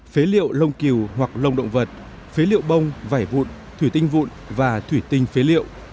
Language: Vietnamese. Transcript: phế liệu lông cừu hoặc lông động vật phế liệu bông vải vụn thủy tinh vụn và thủy tinh phế liệu